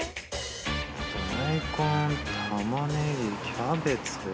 大根玉ねぎキャベツ。